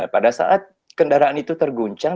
pada saat kendaraan itu terguncang